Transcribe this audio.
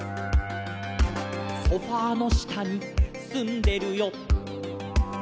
「ソファの下にすんでるよ」